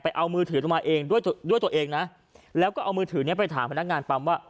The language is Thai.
เอามือถือลงมาเองด้วยด้วยตัวเองนะแล้วก็เอามือถือเนี้ยไปถามพนักงานปั๊มว่า